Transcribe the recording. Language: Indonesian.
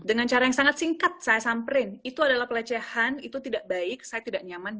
dengan cara yang sangat singkat saya samperin itu adalah pelecehan itu tidak baik saya tidak nyaman